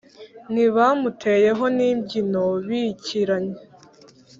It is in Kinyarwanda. Ntibamuteyeho n’imbyino bikiranya